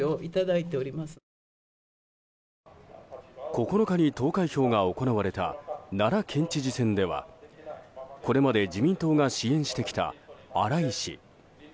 ９日に投開票が行われた奈良県知事選ではこれまで自民党が支援してきた荒井氏